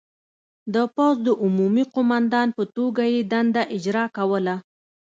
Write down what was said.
د پوځ د عمومي قوماندان په توګه یې دنده اجرا کوله.